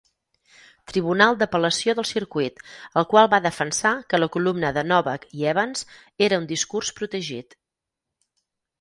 Tribunal d'Apel·lació del Circuit, el qual va defensar que la columna de Novak i Evans era un discurs protegit.